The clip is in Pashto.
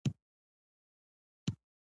زه به هم اندېښمن وای، هر یو باید د خپل.